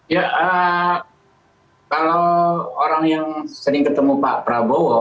ya kalau orang yang sering ketemu pak prabowo